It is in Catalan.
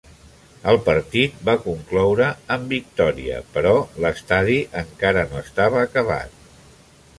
El partit va concloure amb victòria, però l'estadi encara no estava acabat.